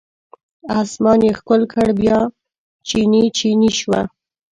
اسمان یې ښکل کړ بیا چینې، چینې شوه